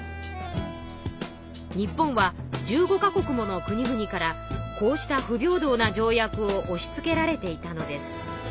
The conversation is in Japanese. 日本は１５か国もの国々からこうした不平等な条約をおしつけられていたのです。